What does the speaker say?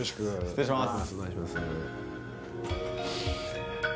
失礼します。